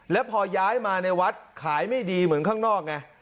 แล้วพอย้ายมาในวัดขายไม่ดีเหมือนข้างนอกไง